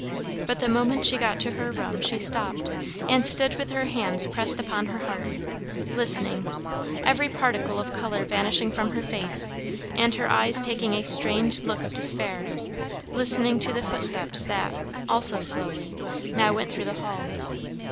But the moment she got to her room she stopped, and stood with her hands pressed upon her heart, listening; every particle of colour vanishing from her face, and her eyes taking a strained look of despair; listening to the footsteps that, also slowly, now went through the hall.